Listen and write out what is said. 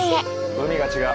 海が違う。